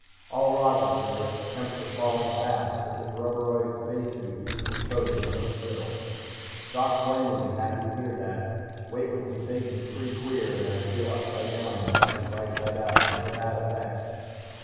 "All Roger, sir ... temperature falling fast but this rubberoid space suit keeps me cozy, no chills ... Doc Blaine will be happy to hear that! Weightless sensations pretty queer and I feel upside down as much as rightside up, but no bad effects....